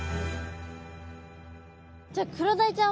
じゃあクロダイちゃん